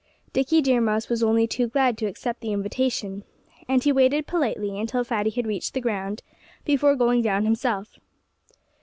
Dickie Deer Mouse was only too glad to accept the invitation. And he waited politely until Fatty had reached the ground, before going down himself.